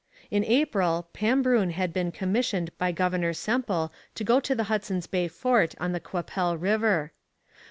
In April Pambrun had been commissioned by Governor Semple to go to the Hudson's Bay fort on the Qu'Appelle river.